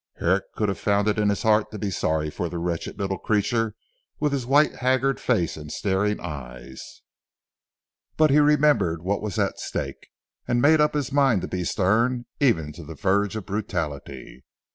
Herrick could have found it in his heart to be sorry for the wretched little creature with his white haggard face and staring eyes; but he remembered what was at stake, and made up his mind to be stern even to the verge of brutality.